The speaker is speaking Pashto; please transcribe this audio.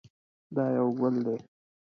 دا یو ګل دی.